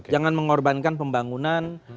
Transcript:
jangan mengorbankan pembangunan